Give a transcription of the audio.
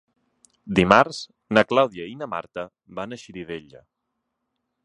Dimarts na Clàudia i na Marta van a Xirivella.